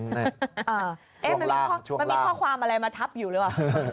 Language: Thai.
มันมีข้อความอะไรมาทับอยู่หรือเปล่า